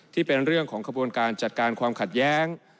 ที่เป็นเรื่องของขบวนการจัดการความขัดแย้ง